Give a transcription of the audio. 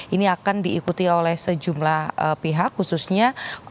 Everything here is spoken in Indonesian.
ini akan diikuti oleh sejumlah pihak khususnya